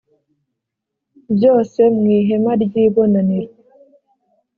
byose mu ihema ry ibonaniro